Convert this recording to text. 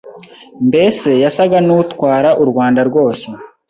mbese yasaga n'utwara u Rwanda rwose,